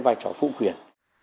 cây vai trò phụ khuyển